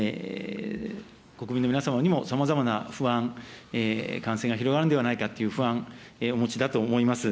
国民の皆様にもさまざまな不安、感染が広がるんではないかという不安、お持ちだと思います。